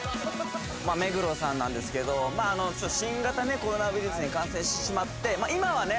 目黒さんなんですけど新型コロナウイルスに感染してしまって今はね